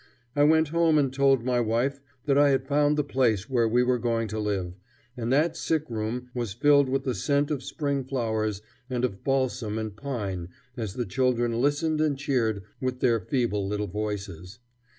I went home and told my wife that I had found the place where we were going to live, and that sick room was filled with the scent of spring flowers and of balsam and pine as the children listened and cheered with their feeble little voices.